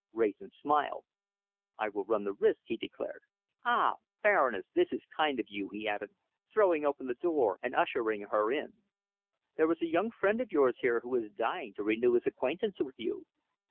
Wrayson smiled. "I will run the risk," he declared. "Ah! Baroness, this is kind of you," he added, throwing open the door and ushering her in. "There is a young friend of yours here who is dying to renew his acquaintance with you."